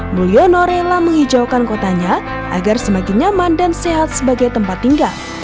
mulyono rela menghijaukan kotanya agar semakin nyaman dan sehat sebagai tempat tinggal